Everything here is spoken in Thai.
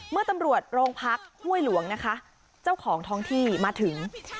เมื่อตำรวจโรงพักห้วยหลวงนะคะเจ้าของท้องที่มาถึง